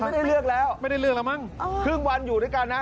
นอนราบุรีนะ